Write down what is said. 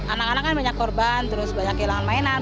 anak anak kan banyak korban terus banyak kehilangan mainan